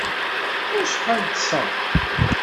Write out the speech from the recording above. Acḥal ṭṭseɣ?